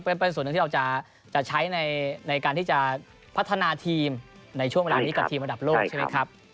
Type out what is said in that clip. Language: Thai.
เป็นส่วนหนึ่งที่เราจะใช้ในการที่จะพัฒนาทีมในช่วงเวลานี้กับทีมระดับโลกใช่ไหมครับ